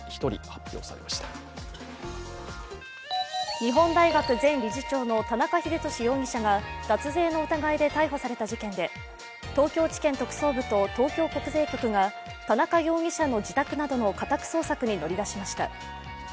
日本大学前理事長の田中英寿容疑者が脱税の疑いで逮捕された事件で、東京地検特捜部と東京国税局が田中容疑者の自宅などの家宅捜索に乗り出しました。